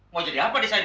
mau jadi apa desa ini